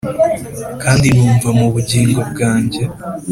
kandi numva mu bugingo bwanjye,